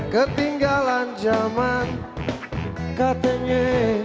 ketinggalan zaman katanya